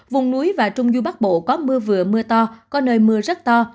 vùng núi và trung du bắc bộ có mưa vừa mưa to có nơi mưa rất to